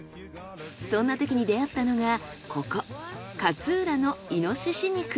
そんなときに出会ったのがここ勝浦の猪肉。